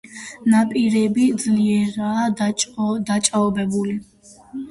ნაპირები ძლიერაა დაჭაობებული.